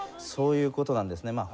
そういう事なんですね。